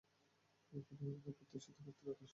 এখানেই আমাদের অপ্রত্যাশিত মিত্রতা সমাপ্ত।